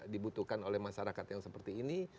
dibutuhkan oleh masyarakat yang seperti ini